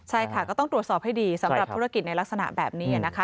ใช่ค่ะก็ต้องตรวจสอบให้ดีสำหรับธุรกิจในลักษณะแบบนี้นะคะ